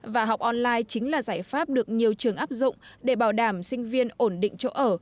và học online chính là giải pháp được nhiều trường áp dụng để bảo đảm sinh viên ổn định chỗ ở